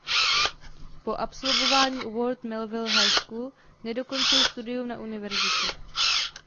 Po absolvování Ward Melville High School nedokončil studium na univerzitě.